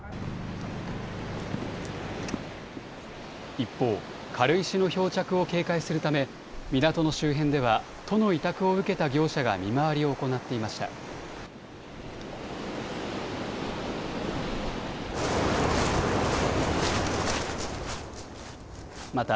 一方、軽石の漂着を警戒するため港の周辺では都の委託を受けた業者が見回りを行っていました。